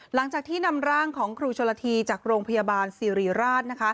หลังจากที่นำร่างของครูชนละทีจากโรงพยาบาลสิริราชนะคะ